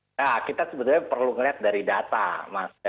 nah kita sebetulnya perlu melihat dari data mas